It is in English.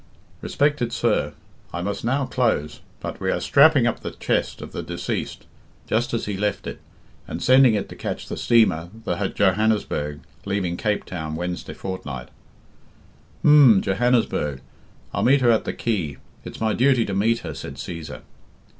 "'Respected Sir, I must now close, but we are strapping up the chest of the deceased, just as he left it, and sending it to catch the steamer, the Johannesburg, leaving Cape Town Wednesday fortnight '" "Hm! Johannesburg. I'll meet her at the quay it's my duty to meet her," said Cæsar.